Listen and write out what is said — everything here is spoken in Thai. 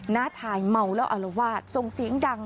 น้าชายเมาแล้วอารวาสส่งเสียงดัง